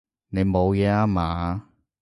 你冇嘢啊嘛？